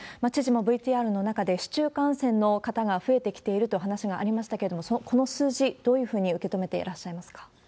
知事もＶＴＲの中で、市中感染の方が増えてきているという話がありましたけれども、この数字、どういうふうに受け止めていらっしゃいますか？